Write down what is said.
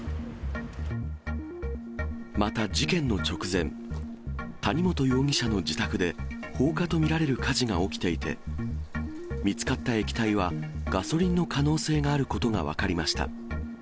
また事件の直前、谷本容疑者の自宅で、放火と見られる火事が起きていて、見つかった液体は、ガソリンの可能性があることが分かりました。